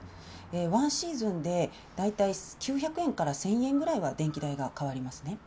ワンシーズンで大体９００円から１０００円ぐらいは電気代が変わりますね。